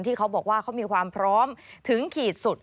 เขาบอกว่าเขามีความพร้อมถึงขีดสุด